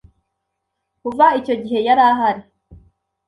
Kuva icyo gihe yarahari